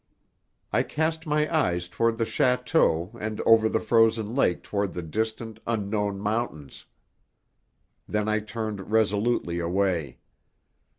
I cast my eyes toward the château and over the frozen lake toward the distant, unknown mountains. Then I turned resolutely away.